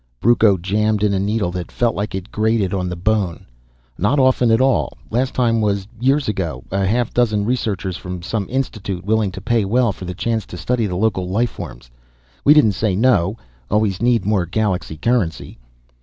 Brucco jammed in a needle that felt like it grated on the bone. "Not often at all. Last time was years ago. A half dozen researchers from some institute, willing to pay well for the chance to study the local life forms. We didn't say no. Always need more galaxy currency."